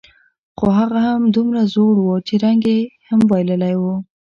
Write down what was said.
خو هغه دومره زوړ و، چې رنګ یې هم بایللی و.